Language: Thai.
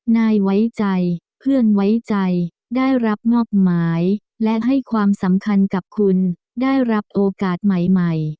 นายไว้ใจเพื่อนไว้ใจได้รับมอบหมายและให้ความสำคัญกับคุณได้รับโอกาสใหม่